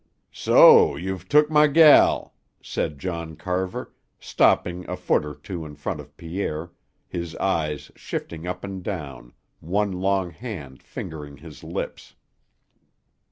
"So you've took my gel," said John Carver, stopping a foot or two in front of Pierre, his eyes shifting up and down, one long hand fingering his lips.